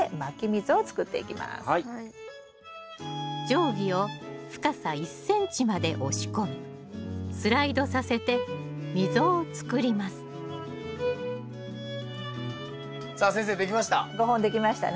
定規を深さ１ｃｍまで押し込みスライドさせて溝を作りますさあ先生出来ました。